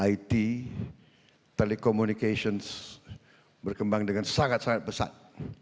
internet it telecommunications berkembang dengan sangat sangat besar